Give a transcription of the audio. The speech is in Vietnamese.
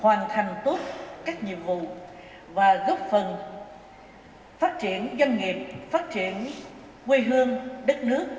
hoàn thành tốt các nhiệm vụ và góp phần phát triển doanh nghiệp phát triển quê hương đất nước